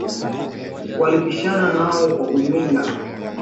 Walipishana nao kwa ujumla